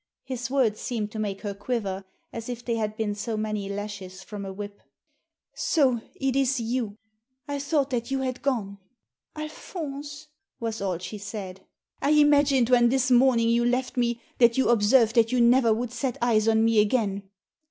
His words seemed to make her quiver as if they had been so many lashes from a whip. So it is you. I thought that you had gone. "Alphonse! was all she said. " I imagined when, this morning, you left me, that you observed that you never would set eyes on me again."